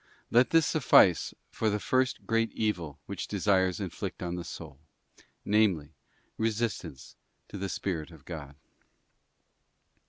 Let this suffice for the first great evil which ~ desires inflict on the soul, namely, resistance to the Spirit of x ' God.